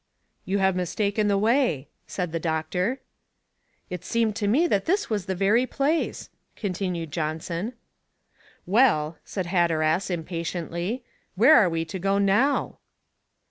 "You have mistaken the way," said the doctor. "It seemed to me that this was the very place," continued Johnson. "Well," said Hatteras, impatiently "where are we to go now?"